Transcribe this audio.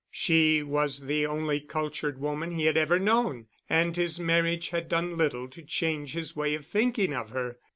She was the only cultured woman he had ever known, and his marriage had done little to change his way of thinking of her.